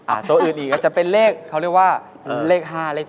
ตัวอื่นอีกก็จะเป็นเลขเขาเรียกว่าเลข๕เลข๗